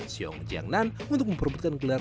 xiong jiangnan untuk memperbutkan gelar